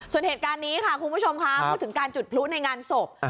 ส่วนเหตุการณ์นี้ค่ะคุณผู้ชมค่ะพูดถึงการจุดพลุในงานศพ